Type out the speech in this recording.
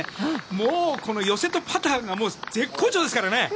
もう寄せとパターが絶好調ですからね！